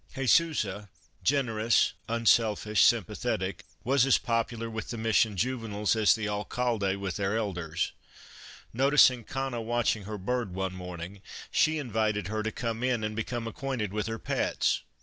Jesusa, generous, unselfish, sympa thetic, was as popular with the Mission juveniles as the Alcalde with their elders. Noticing Cana watch ing her bird one morning, she invited her to come in 75 Christmas Under Three Flags and become acquainted with her pets.